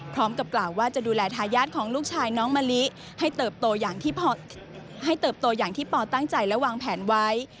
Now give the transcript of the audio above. พร้อมกับกล่าวว่าจะดูแลทายาทของลูกชายน้องมะลิให้เติบโตอย่างที่พ่อตั้งใจและวางแผนไว้